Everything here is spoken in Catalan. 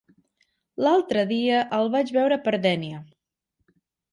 L'altre dia el vaig veure per Dénia.